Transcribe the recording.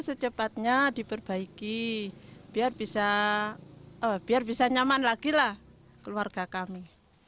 secepatnya diperbaiki biar bisa nyaman lagi lah keluarga kami